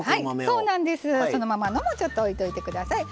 そのままのもちょっと置いておいて下さい。